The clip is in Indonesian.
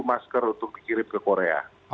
masker untuk dikirim ke korea